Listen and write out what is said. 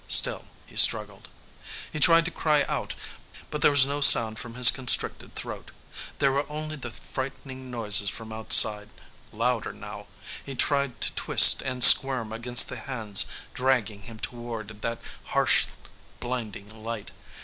Still he struggled. He tried to cry out but there was no sound from his constricted throat. There were only the frightening noises from outside, louder, now. He tried to twist and squirm against the hands dragging him toward that harsh, blinding light.